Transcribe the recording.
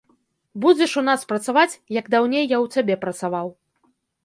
Будзеш у нас працаваць, як даўней я ў цябе працаваў.